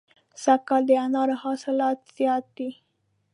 سږ کال د انارو حاصلات زیات دي.